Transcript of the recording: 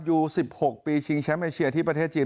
อยู่๑๖ปีชิงแชมป์เอเชียที่ประเทศจีน